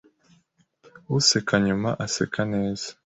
Useka nyuma, aseka neza.